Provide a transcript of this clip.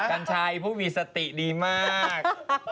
กัญชายพวกมีสติดีมาก